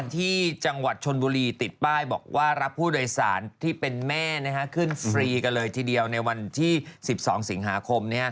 ที่จังหวัดชนบุรีติดป้ายบอกว่ารับผู้โดยสารที่เป็นแม่ขึ้นฟรีกันเลยทีเดียวในวันที่๑๒สิงหาคม